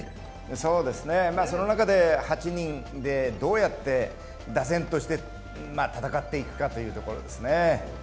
そうですね、その中で８人でどうやって打線として戦っていくかというところですね。